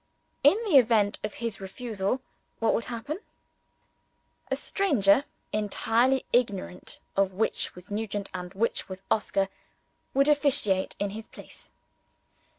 In the event of his refusal, what would happen? A stranger, entirely ignorant of which was Nugent and which was Oscar, would officiate in his place.